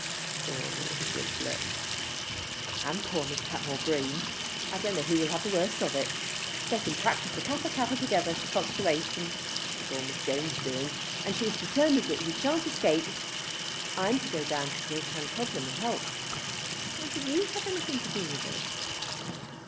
"Poor Lord Giblet!" "And poor Miss Patmore Green. I don't know which will have the worst of it. They can practise the Kappa kappa together for consolation. It is all Mrs. Jones' doing, and she is determined that he shan't escape. I'm to go down to Killancodlem and help." "Why should you have anything to do with it?"